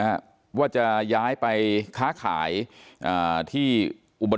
ตลอดทั้งคืนตลอดทั้งคืน